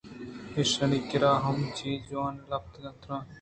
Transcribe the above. ایشانی کِرّا کہ ہما چیز جوٛان ءُ الکاپ تر اَت